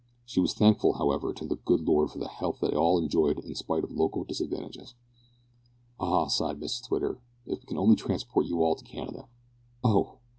She was thankful, however, to the good Lord for the health they all enjoyed in spite of local disadvantages. "Ah!" sighed Mrs Twitter, "if we could only transport you all to Canada " "Oh!